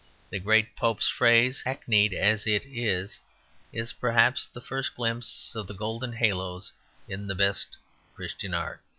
The great Pope's phrase, hackneyed as it is, is perhaps the first glimpse of the golden halos in the best Christian Art.